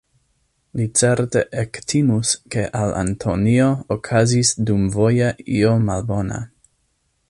Li certe ektimus, ke al Antonio okazis dumvoje io malbona.